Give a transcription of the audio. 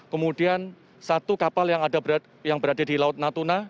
kemudian satu kapal yang berada di laut natuna